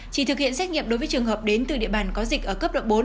chỉ thực hiện xét nghiệm đối với trường hợp đến từ địa bàn có dịch ở cấp độ bốn